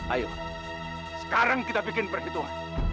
ayo sekarang kita bikin perhitungan